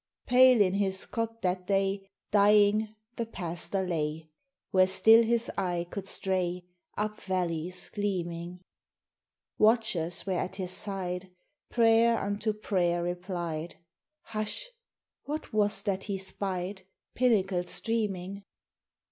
Pale in his cot that day, Dying, the pastor lay, Where still his eye could stray Up valleys gleaming; Watchers were at his side; Prayer unto prayer replied: Hush! what was that he spied, Pinnacle streaming?